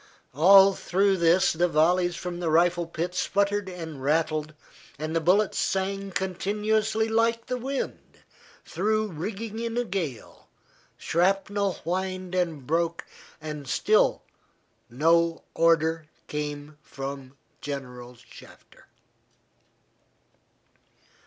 All through this the volleys from the rifle pits sputtered and rattled, and the bullets sang continuously like the wind through the rigging in a gale, shrapnel whined and broke, and still no order came from General Shafter.